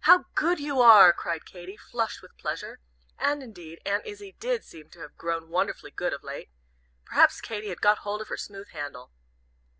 "How good you are!" cried Katy, flushed with pleasure. And indeed Aunt Izzie did seem to have grown wonderfully good of late. Perhaps Katy had got hold of her smooth handle!